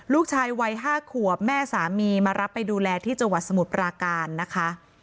ลูกชายวัย๕ขวบแม่สามีมารับไปดูแลที่จังหวัดสมุทรปราการนะคะ